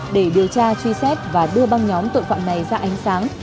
để điều tra truy xét và đưa băng nhóm tội phạm này ra ánh sáng